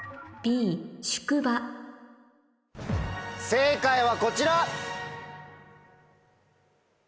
正解はこちら。